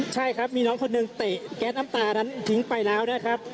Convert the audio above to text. ใช่ครับมีน้องคนหนึ่งเตะแก๊สน้ำตานั้นทิ้งไปแล้วนะครับ